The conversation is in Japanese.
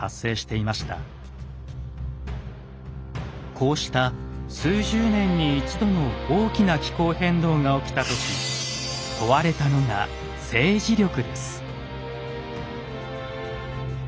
こうした数十年に一度の大きな気候変動が起きた時問われたのが政治力です。